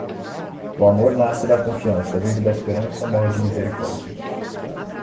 O amor nasce da confiança, vive da esperança, morre de misericórdia.